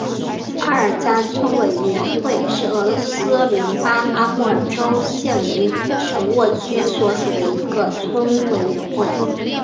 阿尔加村委员会是俄罗斯联邦阿穆尔州谢雷舍沃区所属的一个村委员会。